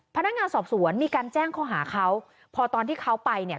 พนักงานสอบสวนมีการแจ้งข้อหาเขาพอตอนที่เขาไปเนี่ย